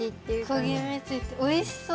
こげめついておいしそう。